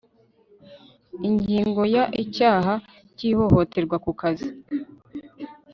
Ingingo ya Icyaha cy ihohoterwa ku kazi